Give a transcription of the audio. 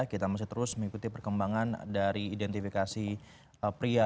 kita masih terus mengikuti perkembangan dari identifikasi pria